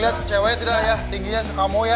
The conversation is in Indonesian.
lihat ceweknya tidak ya tingginya sekamu ya